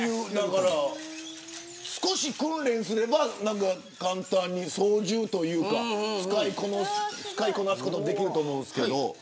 少し訓練すれば簡単に操縦というか使いこなすことができると思うんですけど。